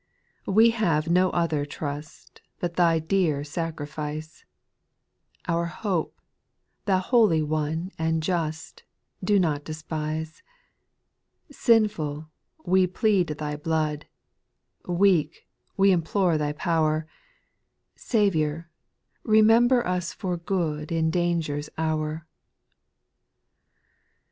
2. "We have no other trust, But Thy dear sacrifice ; Our hope, Thou holy One and just, Do not despise : Sinful, wc plead Thy blood, Weak, we implore Thy power ; Saviour, remember us for good In danger's hour.